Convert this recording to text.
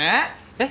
えっ？